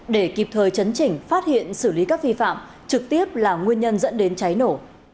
để kịp thời chấn chỉnh phát hiện xử lý các vi phạm trực tiếp là nguyên nhân dẫn đến cháy nổ